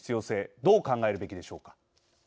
どう考えるべきでしょうか。